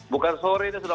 bukan sore selamat sore